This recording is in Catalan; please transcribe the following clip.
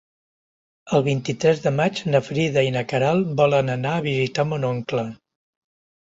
El vint-i-tres de maig na Frida i na Queralt volen anar a visitar mon oncle.